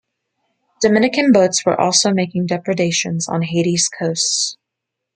Dominican boats were also making depredations on Haiti's coasts.